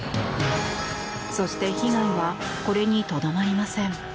そして、被害はこれにとどまりません。